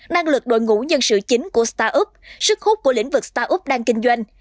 năng lực đội ngũ nhân sự chính của start up sức hút của lĩnh vực start up đang kinh doanh